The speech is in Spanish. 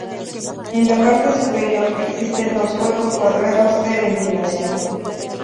En la parte superior existen dos huecos cuadrados de ventilación.